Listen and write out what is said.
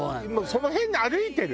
その辺歩いてるね